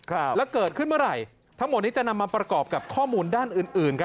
แล้วเกิดขึ้นเมื่อไหร่ทั้งหมดนี้จะนำมาประกอบกับข้อมูลด้านอื่นอื่นครับ